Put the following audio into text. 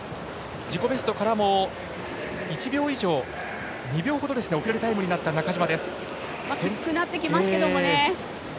自己ベストからも２秒ほど遅れるタイムになった中島。